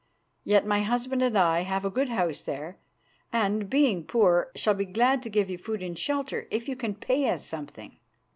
Yet my husband and I have a good house there, and, being poor, shall be glad to give you food and shelter if you can pay us something."